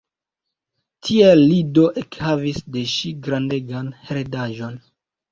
Tiel li do ekhavis de ŝi grandegan heredaĵon.